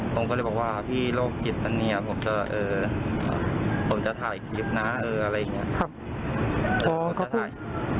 ผมก็เลยบอกว่าพี่โรคจิตตอนนี้ผมจะผมจะถ่ายคลิปนะอะไรอย่างนี้